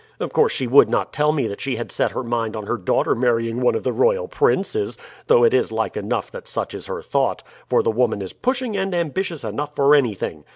Of course she would not tell me that she had set her mind on her daughter marrying one of the royal princes, though it is like enough that such is her thought, for the woman is pushing and ambitious enough for anything.